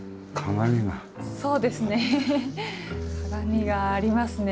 そうですね。